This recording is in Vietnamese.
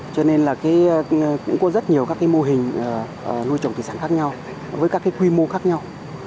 cho nên là cũng có rất nhiều các mô hình nuôi trồng thủy sản khác nhau với các quy mô khác nhau